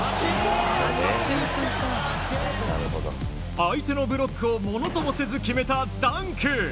相手のブロックをものともせず決めたダンク！